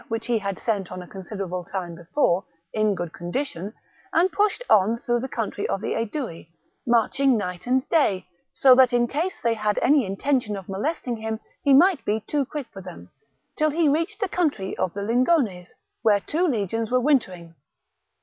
] expected him ; picked up his cavalry there, which he had sent on a considerable time before, in good condition ; and pushed on through the country of the Aedui, marching night and day, so that in case they had any intention of molesting him he might be too quick for them, till he reached the country of the Lingones, where two legions were wintering.